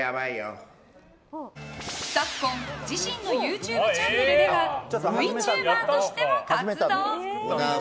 昨今、自身のＹｏｕＴｕｂｅチャンネルではＶチューバーとしても活動。